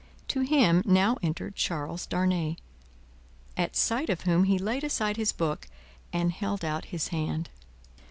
To him, now entered Charles Darnay, at sight of whom he laid aside his book and held out his hand.